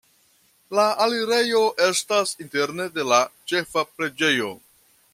La alirejo estas interne de la ĉefa preĝejo.